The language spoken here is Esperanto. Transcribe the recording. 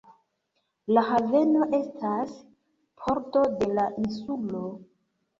La haveno estas pordo de la insulo.